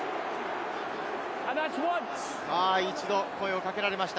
一度声をかけられました。